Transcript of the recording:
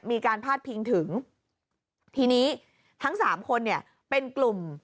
มีการพาดพิงถึงทีนี้ทั้งสามคนเนี่ยเป็นกลุ่ม